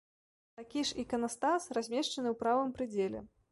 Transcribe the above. Такі ж іканастас размешчаны ў правым прыдзеле.